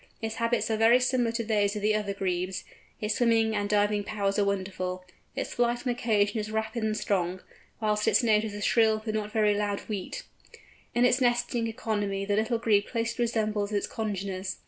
Its habits are very similar to those of the other Grebes; its swimming and diving powers are wonderful; its flight on occasion is rapid and strong, whilst its note is a shrill but not very loud weet. In its nesting economy the Little Grebe closely resembles its congeners.